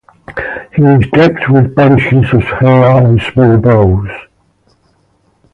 He is decked with bunches of hair and small bells.